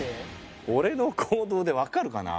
俺の行動でわかるかな？